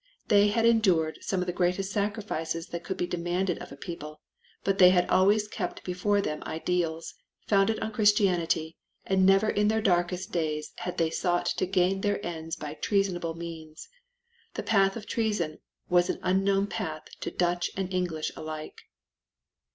They had endured some of the greatest sacrifices that could be demanded of a people, but they had always kept before them ideals, founded on Christianity, and never in their darkest days had they sought to gain their ends by treasonable means. The path of treason was an unknown path to Dutch and English alike.